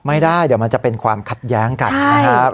ไม่ได้เดี๋ยวมันจะเป็นความขัดแย้งกันนะครับ